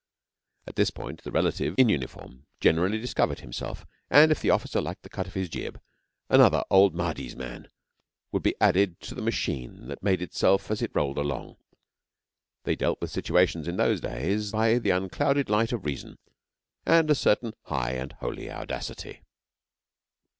At this point the relative, in uniform, generally discovered himself, and if the officer liked the cut of his jib, another 'old Mahdi's man' would be added to the machine that made itself as it rolled along. They dealt with situations in those days by the unclouded light of reason and a certain high and holy audacity.